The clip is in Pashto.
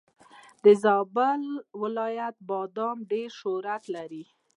د زابل ولایت بادم ډېر شهرت لري.